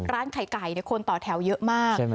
ร้านไข่ไก่คนต่อแถวเยอะมาก